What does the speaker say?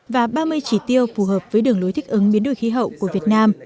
và ba mươi chỉ tiêu phù hợp với đường lối thích ứng biến đổi khí hậu của việt nam